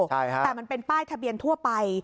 แต่มันเป็นป้ายทะเบียนทั่วไป